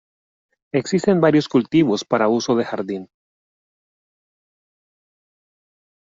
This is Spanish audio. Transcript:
Existen varios cultivos para uso de jardín.